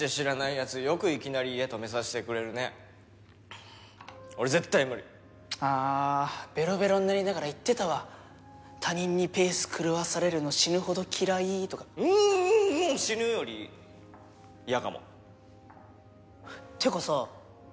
よくいきなり家泊めさせてくれるね俺絶対無理あベロベロになりながら言ってたわ「他人にペース狂わされるの死ぬほど嫌い」とかうん死ぬより嫌かもっていうかさ